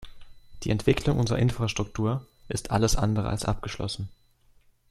Die Entwicklung unserer Infrastruktur ist alles andere als abgeschlossen.